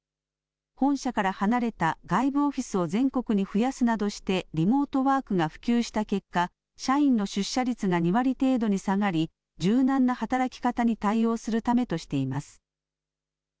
本社から離れた外部オフィスを全国に増やすなどしてリモートワークが普及した結果、社員の出社率が２割程度に下がり柔軟な働き方に対応するためとしています。